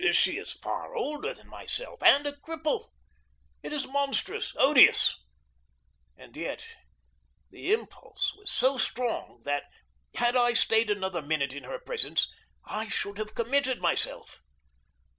She is far older than myself and a cripple. It is monstrous, odious; and yet the impulse was so strong that, had I stayed another minute in her presence, I should have committed myself.